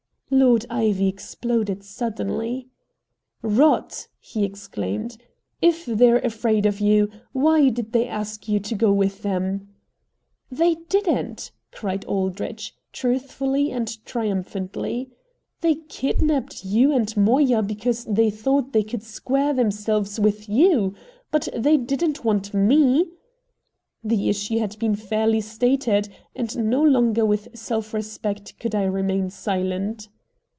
Lord Ivy exploded suddenly. "Rot!" he exclaimed. "If they're afraid of you, why did they ask you to go with them?" "They didn't!" cried Aldrich, truthfully and triumphantly. "They kidnapped you and Moya because they thought they could square themselves with YOU. But they didn't want ME!" The issue had been fairly stated, and no longer with self respect could I remain silent.